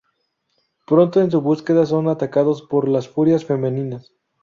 Pronto en su búsqueda son atacados por las Furias Femeninas.